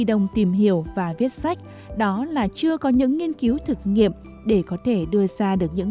đông tìm hiểu và viết sách đó là chưa có những nghiên cứu thực nghiệm để có thể đưa ra được những